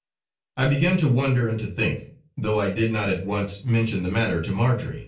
I began to wonder and to think, though I did not at once mention the matter to Marjory.